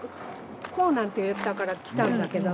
「来ぉ」なんて言ったから来たんだけど。